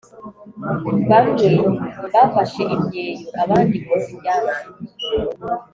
Bamwe bafashe imyeyo Abandi boza ibyansi